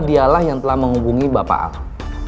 dialah yang telah menghubungi bapak ahok